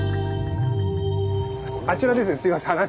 あちらですね。